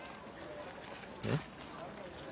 えっ？